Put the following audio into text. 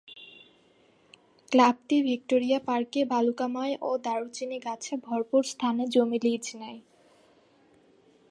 ক্লাবটি ভিক্টোরিয়া পার্কে বালুকাময় ও দারুচিনি গাছে ভরপুর স্থানে জমি লিজ নেয়।